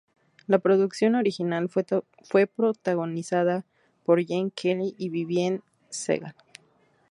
La producción original fue protagonizada por Gene Kelly y Vivienne Segal.